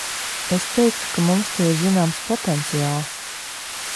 Es teiktu, ka mums te ir zināms potenciāls.